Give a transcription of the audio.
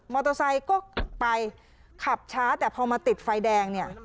เตอร์ไซค์ก็ไปขับช้าแต่พอมาติดไฟแดงเนี่ย